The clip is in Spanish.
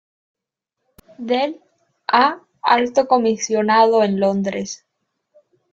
Del a Alto Comisionado en Londres.